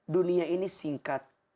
dunia ini singkat